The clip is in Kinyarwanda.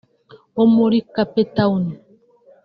wo muri Cape Town